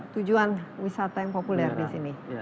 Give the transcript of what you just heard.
tujuan wisata yang populer di sini